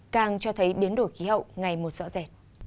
càng cho thấy biến đổi khí hậu ngày một rõ rệt